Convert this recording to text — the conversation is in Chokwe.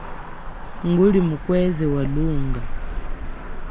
Nguli mukweze wa lunga.